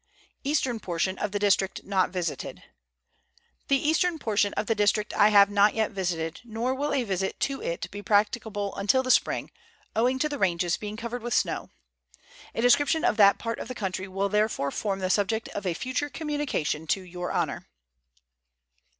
EASTERN PORTION OP THE DISTRICT NOT VISITED. The eastern portion of the district I have not yet visited, nor will a visit to it be practicable until the spring, owing to the ranges being covered with snow. A description of that part of the country will therefore form the subject of a future communication to Your Honour.